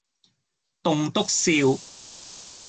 棟篤笑